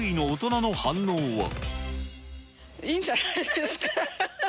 いいんじゃないですか。